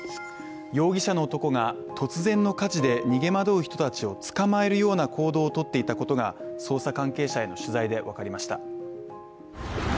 容疑者の男が突然の火事で逃げ惑う人たちを捕まえるような行動をとっていたことが捜査関係者への取材でわかりました。